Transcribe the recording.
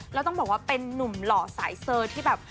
แล้วต้องบอกว่าเป็นนุ่มหล่อสายเซอร์ที่แบบ